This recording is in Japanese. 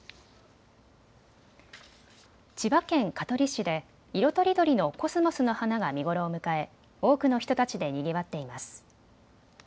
千葉県香取市で色とりどりのコスモスの花が見頃を迎え多くの人たちでにぎわっています。